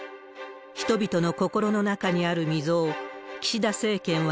人々の心の中にある溝を岸田政権は。